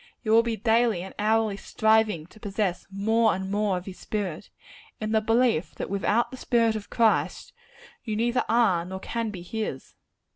You will be daily and hourly striving to possess more and more of his spirit; in the belief that without the spirit of Christ, you neither are nor can be his.